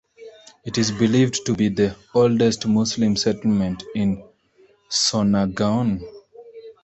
It is believed to be the oldest Muslim settlement in Sonargaon.